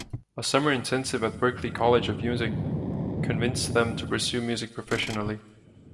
A summer intensive at Berklee College of Music convinced them to pursue music professionally.